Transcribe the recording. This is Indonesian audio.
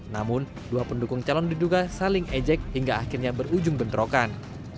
namun dua pendukung calon diduga saling ejek hingga akhirnya berujung bentrokan